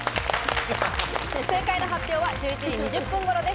正解の発表は１１時２０分頃です。